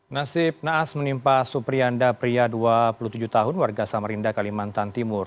nasib naas menimpa suprianda pria dua puluh tujuh tahun warga samarinda kalimantan timur